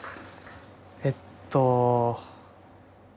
えっと。